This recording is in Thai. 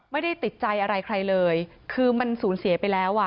ไม่ได้ติดใจอะไรใครเลยคือมันสูญเสียไปแล้วอ่ะ